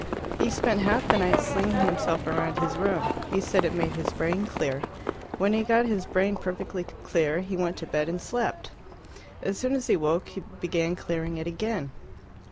He spent half the night slinging himself around his room. He said it made his brain clear. When he got his brain perfectly clear, he went to bed and slept. As soon as he woke, he began clearing it again.